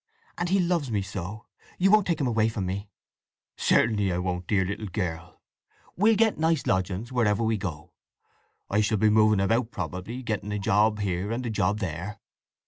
And he loves me so. You won't take him away from me?" "Certainly I won't, dear little girl! We'll get nice lodgings, wherever we go. I shall be moving about probably—getting a job here and a job there."